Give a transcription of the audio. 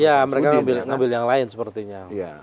ya mereka ngambil yang lain sepertinya